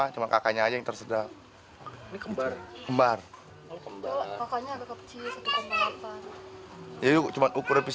ini cuma ukuran fisiknya aja yang beda karena kembar